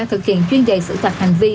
thực hiện chuyên dạy xử phạt hành vi